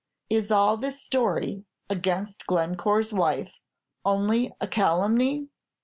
Is all this story against Glencore's wife only a calumny?"